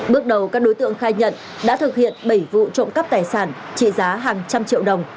bước đầu các đối tượng khai nhận đã thực hiện bảy vụ trộm cắp tài sản trị giá hàng trăm triệu đồng